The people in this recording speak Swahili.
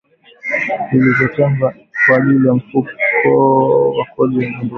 Zilizotengwa kwa ajili ya Mfuko wa Kodi ya Maendeleo ya Petroli ili kuimarisha bei na kumaliza mgogoro huo.